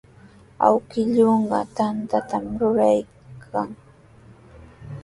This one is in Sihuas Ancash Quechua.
Awkilluuqa tantatami ruraykan.